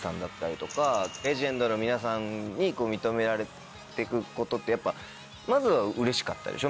レジェンドの皆さんに認められてくことってまずはうれしかったでしょ？